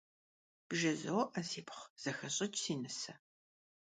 БжызоӀэ, сипхъу, зэхэщӀыкӀ, си нысэ.